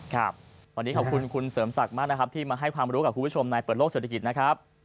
ครับวันนี้ขอบคุณคุณเสริมศักดิ์มากนะครับที่มาให้ความรู้กับคุณผู้ชมในเปิดโลกเศรษฐกิจนะครับ